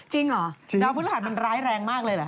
จริงเหรอดาวพฤหัสมันร้ายแรงมากเลยเหรอ